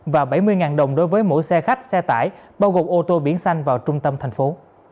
và bảy mươi đồng đối với mỗi xe khách xe tải bao gồm ô tô biển xanh vào trung tâm thành phố